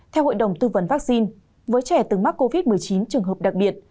theo hội đồng tư vấn vaccine với trẻ từng mắc covid một mươi chín trường hợp đặc biệt